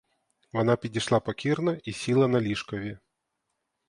Вона підійшла покірно і сіла на ліжкові.